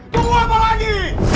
tunggu apa lagi